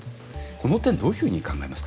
この点どういうふうに考えますか。